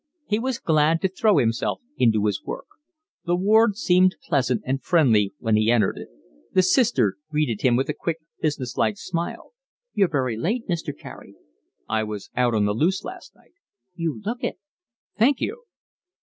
He was glad to throw himself into his work. The ward seemed pleasant and friendly when he entered it. The sister greeted him with a quick, business like smile. "You're very late, Mr. Carey." "I was out on the loose last night." "You look it." "Thank you."